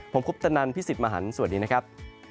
ผมคุปตนันพี่สิทธิ์มหันฯสวัสดีนะครับ